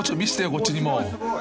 こっちにも］